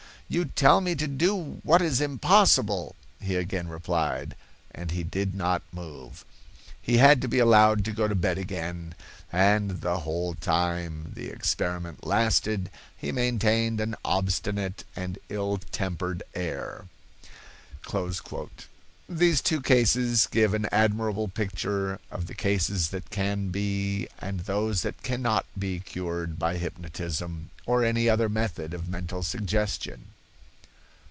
'You tell me to do what is impossible,' he again replied, and he did not move. He had to be allowed to go to bed again, and the whole time the experiment lasted he maintained an obstinate and ill tempered air." These two cases give an admirable picture of the cases that can be and those that cannot be cured by hypnotism, or any other method of mental suggestion.